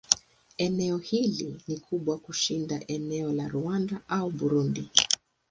Eneo hili ni kubwa kushinda eneo la Rwanda au Burundi.